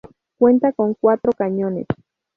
Cuenta con cuatro cañones.